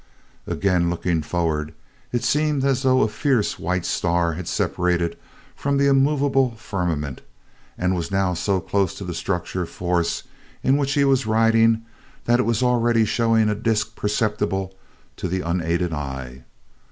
Again looking forward, it seemed as though a fierce white star had separated from the immovable firmament and was now so close to the structure of force in which he was riding that it was already showing a disk perceptible to the unaided eye.